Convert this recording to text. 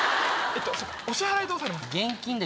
お支払いどうされますか？